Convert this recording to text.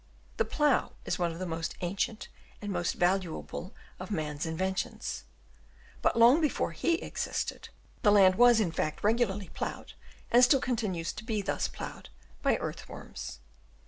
The plough is one of the most ancient and most valuable of man's inventions ; but long before he existed the land was in fact regularly ploughed, and still continues to be thus ploughed by earth worms.